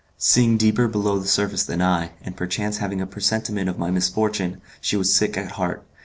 Seeing deeper below the surface than I, and perchance having a presentiment of my misfortune, she was sick at heart.